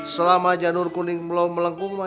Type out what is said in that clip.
selama janur kuning belum melengkung